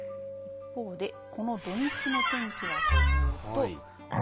一方で、この土日の天気はというと。